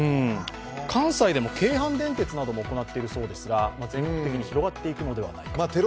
関西でも京阪電鉄なども行っているそうですが、全国的に広がっていくのではないかと。